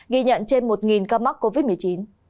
ghi nhận trên một ca mắc covid một mươi chín